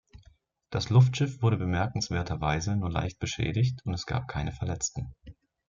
Das Luftschiff wurde bemerkenswerterweise nur leicht beschädigt und es gab keine Verletzten.